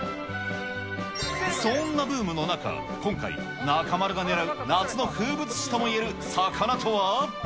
そんなブームの中、今回、中丸が狙う夏の風物詩ともいえる魚とは。